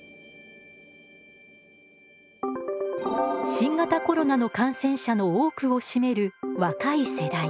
新型コロナの感染者の多くを占める若い世代。